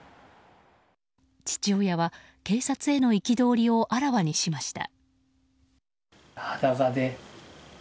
父親は警察への憤りをあらわにしました。